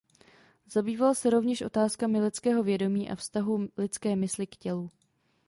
Zabýval se rovněž otázkami lidského vědomí a vztahu lidské mysli k tělu.